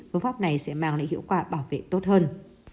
phương pháp này sẽ mang lại hiệu quả bảo vệ tốt hơn